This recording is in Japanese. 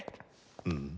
うん？